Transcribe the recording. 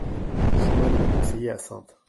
Chemin de la Conseillé à Saintes